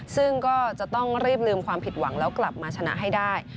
ซึ่งก็จะต้องรีบลืมความผิดหวังแล้วกลับมาชนะให้ได้